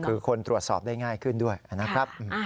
คือคนตรวจสอบได้ง่ายขึ้นด้วยนะครับ